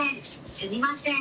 すみません。